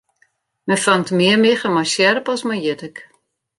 Men fangt mear miggen mei sjerp as mei jittik.